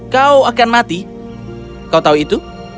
kau akan mati kau tahu itu